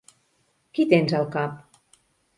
Qui tens al cap?